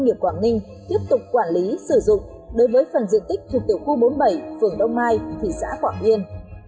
nghiệp quảng ninh tiếp tục quản lý sử dụng đối với phần diện tích thuộc tiểu khu bốn mươi bảy phường đông mai thị xã quảng yên